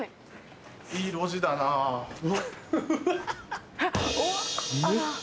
いい路地だなぁうわ。